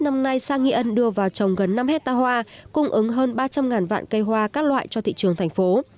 năm nay xã nghi an đưa vào trồng gần năm hecta hoa cung ứng hơn ba trăm linh vạn cây hoa các loại cho thị trường thành phố